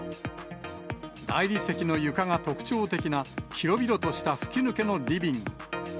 大理石の床が特徴的な、広々とした吹き抜けのリビング。